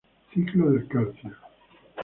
Ciclo del Calcio